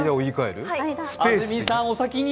安住さん、お先に。